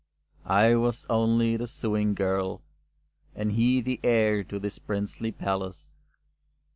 I was only the sewing girl, and he the heir to this princely palace.